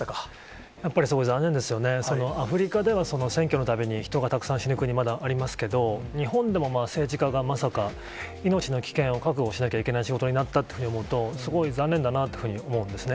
やっぱりあれなんですよね、アフリカでは選挙のたびに人がたくさん死ぬ国、まだありますけど、日本でも政治家がまさか命の危険を覚悟しなきゃいけない仕事になったっていうふうに思うと、すごいざんねんだなというふうに思うんですね。